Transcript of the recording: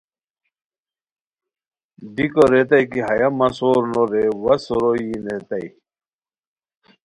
دیکو ریتائے کی ہیہ مہ سور نو رے وا سورو یی نیتائے